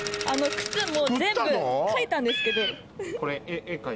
靴も全部描いたんですけど。